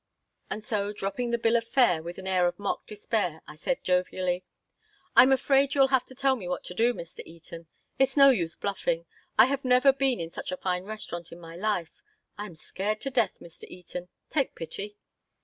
And so, dropping the bill of fare with an air of mock despair, I said, jovially: "I'm afraid you'll have to tell me what to do, Mr. Eaton. It's no use bluffing. I have never been in such a fine restaurant in my life. I am scared to death, Mr. Eaton. Take pity."